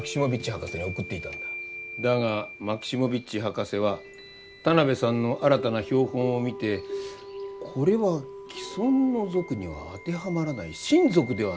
だがマキシモヴィッチ博士は田邊さんの新たな標本を見てこれは既存の属には当てはまらない新属ではないかと研究を始めた。